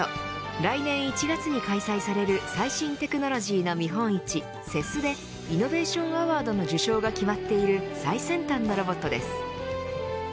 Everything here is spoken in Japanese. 来年１月に開催される最新テクノロジーの見本市ＣＥＳでイノベーション・アワードの受賞が決まっている最先端のロボットです。